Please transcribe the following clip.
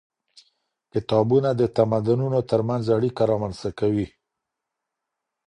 کتابونه د تمدنونو ترمنځ اړيکه رامنځته کوي.